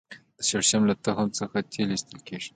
د شړشم له تخم څخه تېل ایستل کیږي